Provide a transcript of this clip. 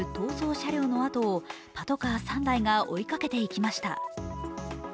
車両のあとをパトカー３台が追いかけていきました。